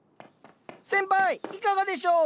先輩いかがでしょう？